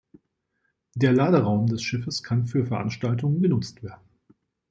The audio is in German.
Der Laderaum des Schiffes kann für Veranstaltungen genutzt werden.